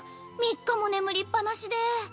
３日も眠りっぱなしで。